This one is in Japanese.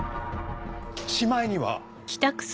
しまいには。